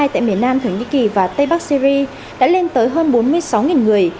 tại miền nam thổ nhĩ kỳ và tây bắc syri đã lên tới hơn bốn mươi sáu người